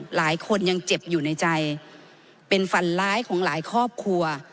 หลายคนยังเจ็บอยู่ในใจเป็นฝันร้ายของหลายครอบครัว